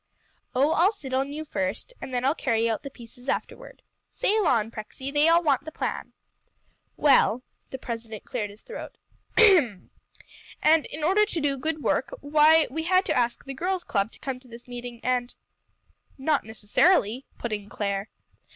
"Oh, I'll sit on you first, and then I'll carry out the pieces afterward. Sail on, Prexy, they all want the plan." "Well" the president cleared his throat "hem! And in order to do good work, why we had to ask the girls' club to come to this meeting, and " "Not necessarily," put in Clare.